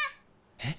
えっ？